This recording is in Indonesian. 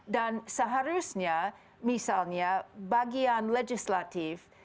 dan seharusnya misalnya bagian legislatif